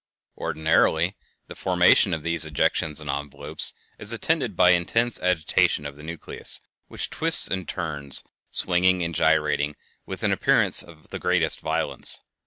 Ordinarily the formation of these ejections and envelopes is attended by intense agitation of the nucleus, which twists and turns, swinging and gyrating with an appearance of the greatest violence.